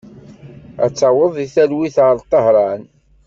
Ad taweḍ deg talwit ɣer Tahran.